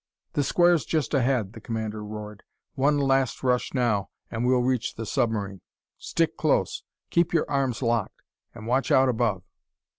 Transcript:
"The square's just ahead!" the commander roared. "One last rush, now, and we'll reach the submarine! Stick close; keep your arms locked; and watch out above!"